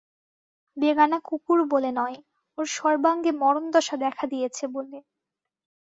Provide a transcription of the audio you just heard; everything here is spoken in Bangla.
বেগানা কুকুর বলে নয়, ওর সর্বাঙ্গে মরণদশা দেখা দিয়েছে বলে।